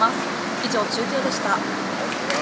以上、中継でした。